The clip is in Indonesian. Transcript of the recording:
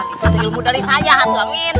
itu ilmu dari saya hantu amin